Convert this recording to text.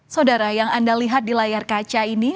saudara yang anda lihat di layar kaca ini